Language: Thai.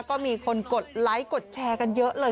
ก็มีคนกดไลค์กดแชร์กันเยอะเลย